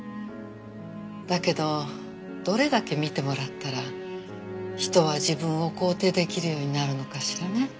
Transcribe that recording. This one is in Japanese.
だけどどれだけ見てもらったら人は自分を肯定出来るようになるのかしらね。